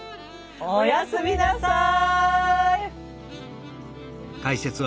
おやすみなさい。